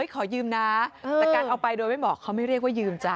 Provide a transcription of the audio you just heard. ขอยืมนะแต่การเอาไปโดยไม่เหมาะเขาไม่เรียกว่ายืมจ้